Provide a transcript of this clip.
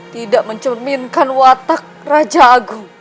tidak mencerminkan watak raja agung